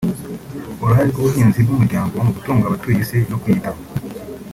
“Uruhare rw’ubuhinzi bw’umuryango mu gutunga abatuye isi no kuyitaho”